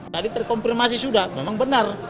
tadi terkonfirmasi sudah memang benar